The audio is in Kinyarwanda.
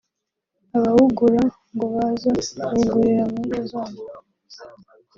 Abawugura ngo baza kuwugurira mu ngo zabo